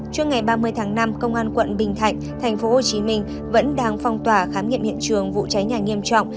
trước ngày ba mươi tháng năm công an quận bình thạnh tp hcm vẫn đang phong tỏa khám nghiệm hiện trường vụ cháy nhà nghiêm trọng